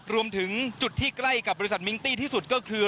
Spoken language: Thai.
รวมถึงจุดที่ใกล้กับบริษัทมิงตี้ที่สุดก็คือ